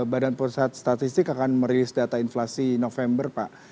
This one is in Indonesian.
badan pusat statistik akan merilis data inflasi november pak